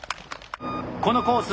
このコース